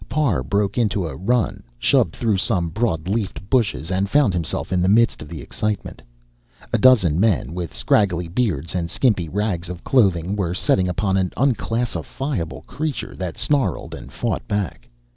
Parr broke into a run, shoved through some broad leafed bushes, and found himself in the midst of the excitement. A dozen men, with scraggly beards and skimpy rags of clothing, were setting upon an unclassifiable creature that snarled and fought back.